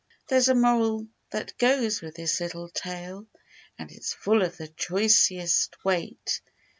^^^ 200 There's a moral that goes with this little tale, And it's full of the choicest weight.